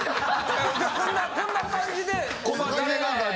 こんな感じで誰が？